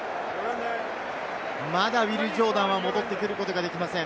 まだウィル・ジョーダンは戻ってくることができません。